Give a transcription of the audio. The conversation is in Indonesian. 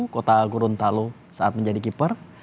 kota gorontalo saat menjadi keeper